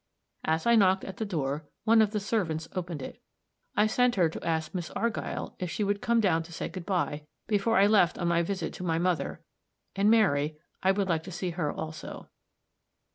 As I knocked at the door, one of the servants opened it. I sent her to ask Miss Argyll if she would come down to say good by, before I left on my visit to my mother; and Mary I would like to see her also.